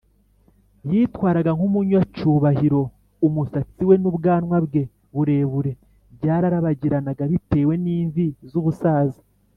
yitwaraga nk’umunyacubahiro, umusatsi we n’ubwanwa bwe burebure byararabagiranaga bitewe n’imvi z’ubusaza